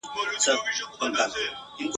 او په څلوردېرش کلنی کي ..